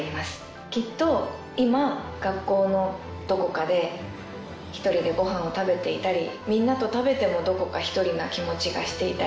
きっと今学校のどこかで１人でご飯を食べていたりみんなと食べてもどこか１人な気持ちがしていたり。